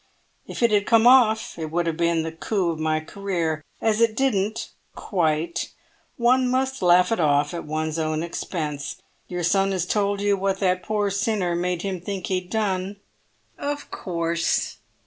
"If it had come off it would have been the coup of my career; as it didn't—quite—one must laugh it off at one's own expense. Your son has told you what that poor old sinner made him think he'd done?" "Of course."